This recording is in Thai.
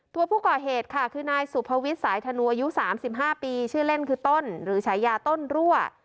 ตัวผู้ก่อเหตุค่ะคือนายสุภวิทย์สายธนูอายุ๓๕ปีชื่อเล่นคือต้นหรือฉายาต้นรั่ว